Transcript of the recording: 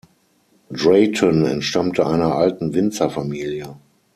Drayton entstammte einer alten Winzerfamilie.